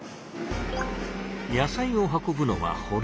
野菜を運ぶのは保冷車。